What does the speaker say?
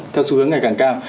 theo xu hướng ngày càng cao